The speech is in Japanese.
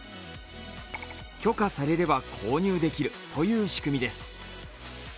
許可されれば購入できるという仕組みです。